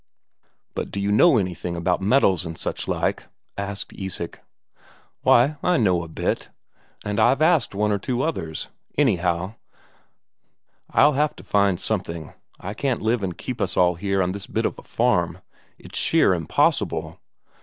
"But do you know anything about metals and such like?" asked Isak. "Why, I know a bit. And I've asked one or two others. Anyhow, I'll have to find something; I can't live and keep us all here on this bit of a farm. It's sheer impossible.